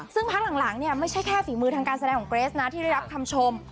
ซึ่งพักหลังเนี่ยไม่ใช่แค่ฝีมือทางการแสดงของเกรสนะที่ได้รับคำชม